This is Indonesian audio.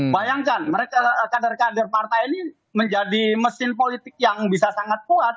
bayangkan kader kader partai ini menjadi mesin politik yang bisa sangat kuat